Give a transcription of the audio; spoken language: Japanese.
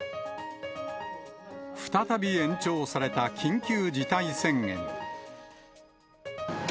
再び延長された緊急事態宣言。